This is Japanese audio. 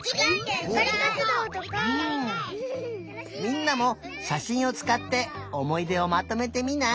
みんなもしゃしんをつかっておもいでをまとめてみない？